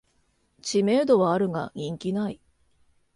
知名度はあるが人気ない